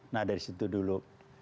nah dari situ dulu